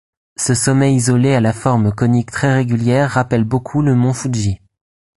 Ce sommet isolé à la forme conique très régulière rappelle beaucoup le mont Fuji.